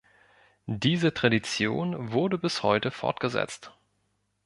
Diese Tradition wurde bis heute fortgesetzt.